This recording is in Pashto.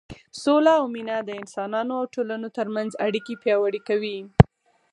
سوله او مینه د انسانانو او ټولنو تر منځ اړیکې پیاوړې کوي.